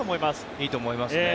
いいと思いますね。